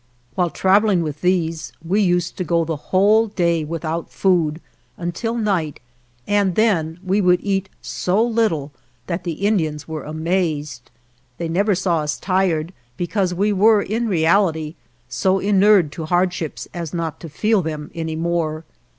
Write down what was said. While travelling with these we used to go the whole day without food, until night, and then we would eat so little that the Indians were amazed. They never saw us tired, be cause we were, in reality, so inured to hard ships as not to feel them any more.